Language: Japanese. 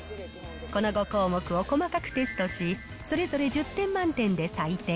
この５項目を細かくテストし、それぞれ１０点満点で採点。